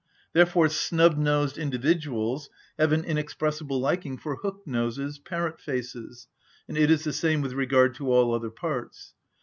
Therefore snub‐nosed individuals have an inexpressible liking for hook‐noses, parrot‐faces; and it is the same with regard to all other parts.